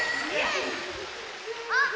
あっ！